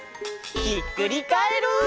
ひっくりカエル！